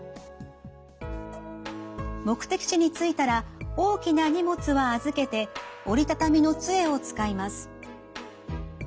目的地に着いたら大きな荷物は預けて折りたたみの杖を使います。